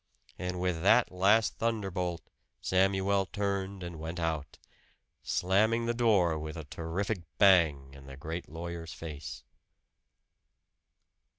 And with that last thunderbolt Samuel turned and went out, slamming the door with a terrific bang in the great lawyer's face.